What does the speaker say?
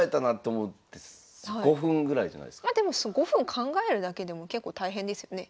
５分考えるだけでも結構大変ですよね。